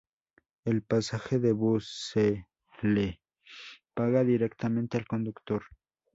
El pasaje de bus se le paga directamente al conductor.